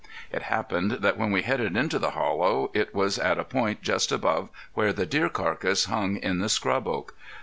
It happened that when we headed into the hollow it was at a point just above where the deer carcass hung in the scrub oak.